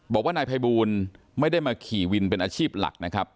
บอกว่านายภัยบูลไม่ได้มาขี่วินเป็นอาชีพหลักนะครับ